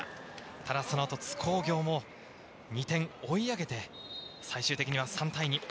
ただそのあと津工業も２点追い上げて、最終的には３対２。